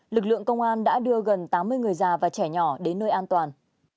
lực lượng công an đã đưa gần tám mươi người già và trẻ nhỏ đến nơi an toàn